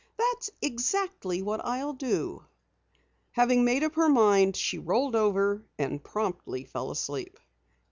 "That's exactly what I'll do!" Having made up her mind, she rolled over and promptly fell asleep.